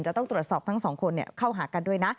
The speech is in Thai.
จะต้องตรวจสอบทั้งสองคนเข้าหากันด้วยนะ